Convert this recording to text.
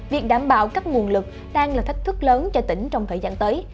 việc đảm bảo các nguồn lực đang là thách thức lớn cho tỉnh trong thời gian tới